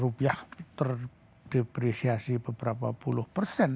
rupiah terdepresiasi beberapa puluh persen